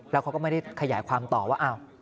แล้วเขาก็ไม่ได้ขยายความต่อว่า